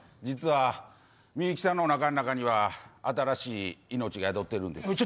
実はミユキさんのおなかの中には新しい命が宿ってるんです。